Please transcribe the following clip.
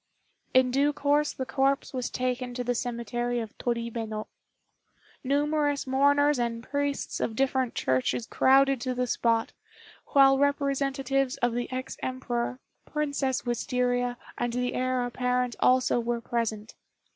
In due course the corpse was taken to the cemetery of Toribeno. Numerous mourners and priests of different churches crowded to the spot, while representatives of the ex Emperor, Princess Wistaria, and the Heir apparent also were present.